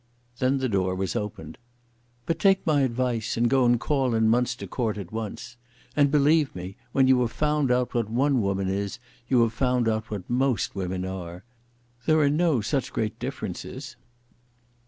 Then the door was opened. "But take my advice, and go and call in Munster Court at once. And, believe me, when you have found out what one woman is, you have found out what most women are. There are no such great differences."